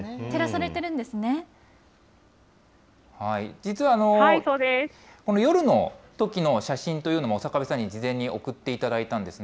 実は、夜のときの写真というのも、刑部さんに事前に送っていただいたんですね。